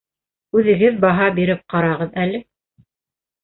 Үҙегеҙ баһа биреп ҡарағыҙ әле.